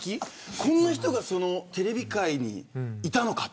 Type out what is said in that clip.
こんな人がテレビ界にいたのかと。